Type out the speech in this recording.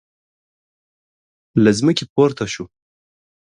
له ځمکې پورته شو.